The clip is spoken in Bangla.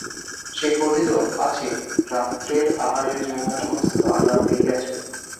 সে কহিল, আছে–রাত্রের আহারের জন্য সমস্ত আনা হইয়াছে।